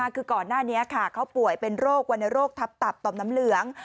คือก่อนหน้านี้เขาป่วยเป็นโรควรรณโรคทับตับต่อมน้ำเหลือง